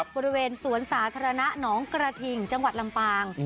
บริเวณสวนสาธารณะหนองกระทิงจังหวัดลำปาง